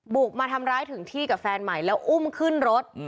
บุกมาทำร้ายถึงที่กับแฟนใหม่แล้วอุ้มขึ้นรถ